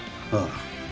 ああ。